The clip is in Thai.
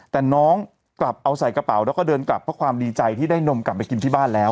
แต่น้องกลับเอาใส่กระเป๋าแล้วก็เดินกลับเพราะความดีใจที่ได้นมกลับไปกินที่บ้านแล้ว